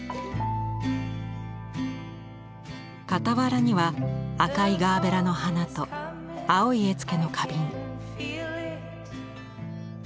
傍らには赤いガーベラの花と青い絵付けの花瓶。